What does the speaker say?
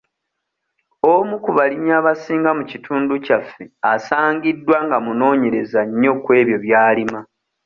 Omu ku balimi abasinga mu kitundu kyaffe asangiddwa nga munoonyereza nnyo kw'ebyo by'alima.